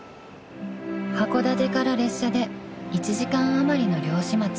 ［函館から列車で１時間余りの漁師町］